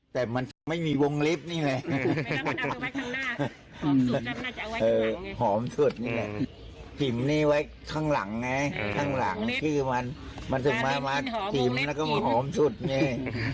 แต่มันไม่มีวงลิฟต์นี่ไงหอมสุดนี่แหละพิมพ์นี้ไว้ข้างหลังไงข้างหลังชื่อมันมันถึงมาจิ๋มแล้วก็หอมสุดนี่